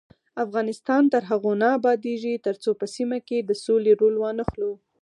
افغانستان تر هغو نه ابادیږي، ترڅو په سیمه کې د سولې رول وانخلو.